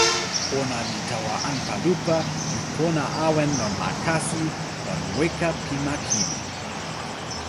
ona li tawa anpa lupa, li pona awen lon ma kasi, lon weka pi ma kili.